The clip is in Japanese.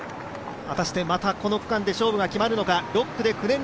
果たしてまたこの区間で勝負が決まるのか。